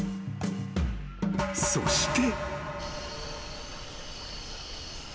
［そして］